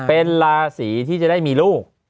เป็นราศีที่จะได้มีลูก